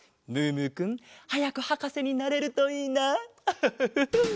ムームーくんはやくはかせになれるといいな。